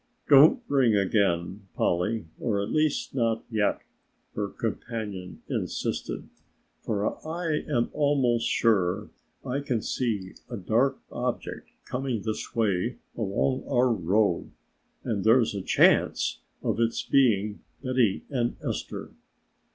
"Don't ring again, Polly, or at least not yet," her companion insisted, "for I am almost sure I can see a dark object coming this way along our road and there's a chance of its being Betty and Esther."